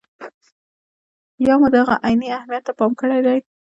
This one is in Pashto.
یا مو د هغه عیني اهمیت ته پام کړی دی.